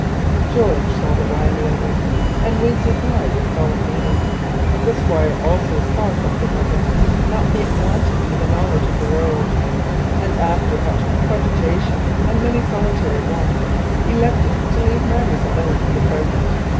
George the wily saw it, and winked his eye with solemn meaning. The Squire also saw something of it, not being wanting in knowledge of the world, and after much cogitation and many solitary walks elected to leave matters alone for the present.